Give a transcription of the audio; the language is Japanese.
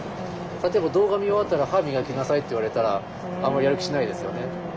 例えば「動画見終わったら歯磨きなさい」って言われたらあまりやる気しないですよね。